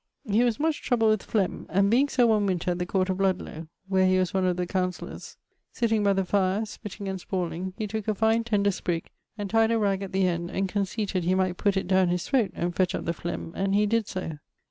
He was much troubled with flegme, and being so one winter at the court at Ludlowe (where he was one of the councesellours), sitting by the fire, spitting and spawling, he tooke a fine tender sprig, and tied a ragge at the end, and conceited he might putt it downe his throate, and fetch up the flegme, and he did so.